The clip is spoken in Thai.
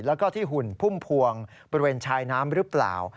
แล้วก็ที่หุ่นพุ่มพวงบริเวณชายน้ำหรือเปล่า